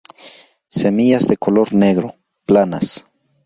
Semillas de color negro, planas.